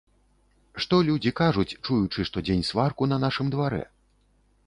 Што людзі кажуць, чуючы штодзень сварку на нашым дварэ?